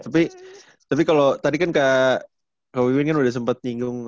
tapi kalau tadi kan kak wiwi kan udah sempat nyinggung